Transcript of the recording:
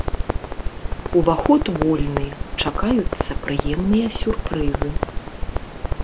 Уваход вольны, чакаюцца прыемныя сюрпрызы.